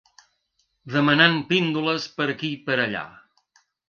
Demanant píndoles per aquí per allà.